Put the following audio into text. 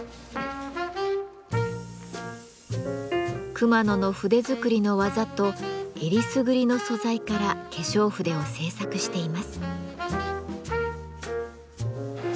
熊野の筆作りの技とえりすぐりの素材から化粧筆を製作しています。